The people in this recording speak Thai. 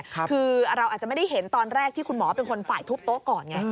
คือเราอาจจะไม่ได้เห็นตอนแรกที่คุณหมอเป็นคนฝ่ายทุบโต๊ะก่อนไง